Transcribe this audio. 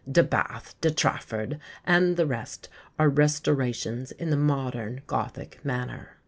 De Bathe, De Trafford, and the rest are restorations in the modern Gothic manner."